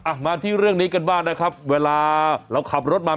มาที่เรื่องนี้กันบ้างนะครับเวลาเราขับรถมา